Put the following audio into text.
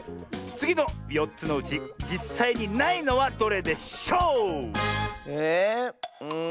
つぎの４つのうちじっさいにないのはどれでしょう